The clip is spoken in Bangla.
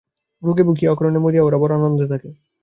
রোগে ভুগিয়া অকারণে মরিয়া ওরা বড় আনন্দে থাকে।